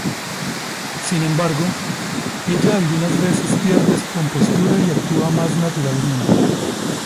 Sin embargo, ella algunas veces pierde su compostura y actúa más naturalmente.